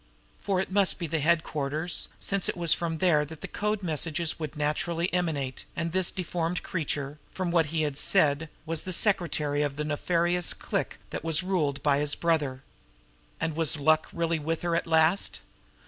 For it must be the headquarters, since it was from there the code messages would naturally emanate, and this deformed creature, from what he had said, was the "secretary" of the nefarious clique that was ruled by his brother. And was luck really with her at last?